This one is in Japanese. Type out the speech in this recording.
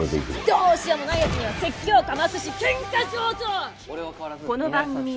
どうしようもない奴には説教かますし喧嘩上等！